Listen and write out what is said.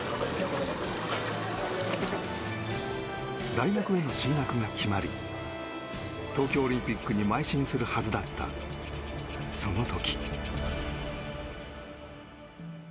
大学への進学が決まり東京オリンピックにまい進するはずだったその時。